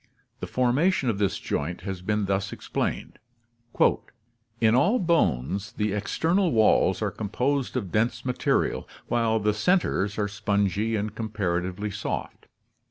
The formation of this joint has been thus ex plained: "In all bones the external walls are composed of dense material, while the centers are spongy and comparatively soft.